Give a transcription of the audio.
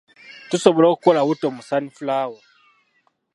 Tusobola okukola butto mu sunflower.